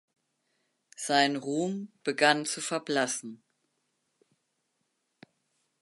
Sein Ruhm begann zu verblassen.